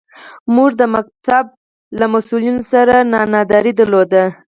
موږ د ښوونځي له مسوولانو سره ناندرۍ درلودې.